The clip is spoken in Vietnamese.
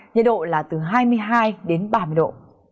nhiệt độ là từ hai mươi hai đến ba mươi độ